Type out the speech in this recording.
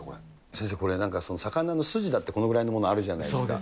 先生、これ、魚の筋だってこれぐらいのものあるじゃないですか。